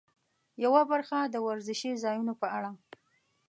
یوه برخه د ورزشي ځایونو په اړه.